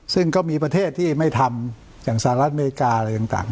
ซึ่งก็มีประเทศที่ไม่ทำอย่างสหรัฐอเมริกาอะไรต่าง